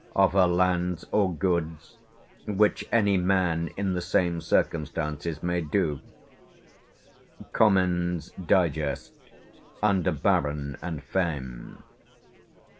of her lands or goods which any man in the same circumstances may do" (Comyn's Digest, under "Baron and Feme").